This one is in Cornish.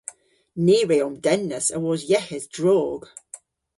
Ni re omdennas awos yeghes drog.